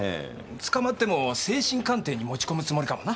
捕まっても精神鑑定に持ち込むつもりかもな。